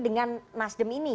dengan nasdem ini